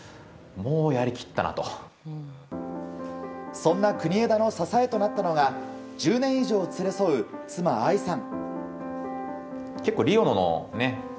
そんな国枝の支えとなったのが１０年以上連れ添う、妻・愛さん。